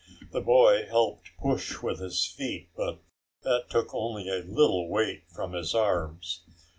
The boy helped push with his feet, but that took only a little weight from his arms.